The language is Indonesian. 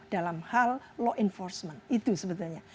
dalam hal law enforcement itu sebetulnya